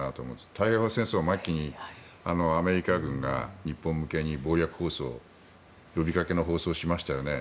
太平洋戦争末期にアメリカ軍が日本向けに謀略放送呼びかけの放送をしましたよね。